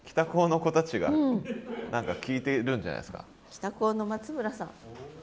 北高の松村さん。